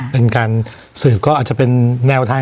วันนี้แม่ช่วยเงินมากกว่า